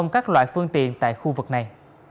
các loại phương tiện tại khu vực này